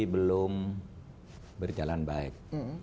belum berjalan baik